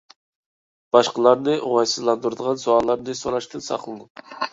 باشقىلارنى ئوڭايسىزلاندۇرىدىغان سوئاللارنى سوراشتىن ساقلىنىڭ.